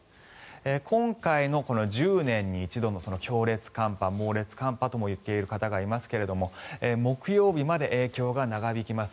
今回のこの１０年に一度の強烈寒波、猛烈寒波とも言っている方がいますが木曜日まで影響が長引きます。